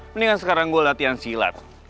mendingan sekarang gue latihan silat